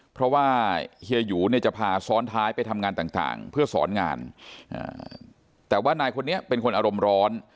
เพราะว่าเฮียหยูเนี่ยจะพาซ้อนท้ายไปทำงานต่างเพื่อสอนงานแต่ว่านายคนนี้เป็นคนอารมณ์ร้อน